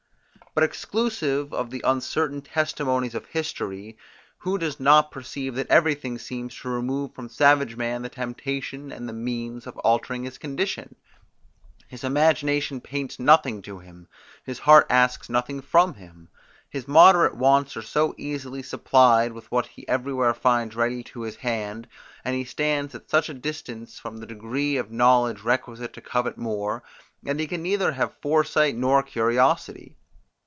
But exclusive of the uncertain testimonies of history, who does not perceive that everything seems to remove from savage man the temptation and the means of altering his condition? His imagination paints nothing to him; his heart asks nothing from him. His moderate wants are so easily supplied with what he everywhere finds ready to his hand, and he stands at such a distance from the degree of knowledge requisite to covet more, that he can neither have foresight nor curiosity.